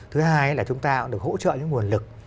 thứ hai là chúng ta cũng được hỗ trợ những nguồn lực